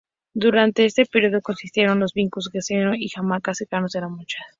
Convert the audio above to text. Durante este periodo coexistieron los vicus, gallinazo y cajamarca; cercanos a los mochicas.